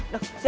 neng ini terma